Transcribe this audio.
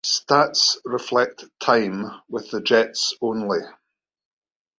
Stats reflect time with the Jets only.